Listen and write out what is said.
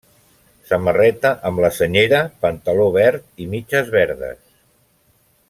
Samarreta amb la senyera, pantaló verd i mitges verdes.